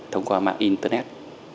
thông qua mạng internet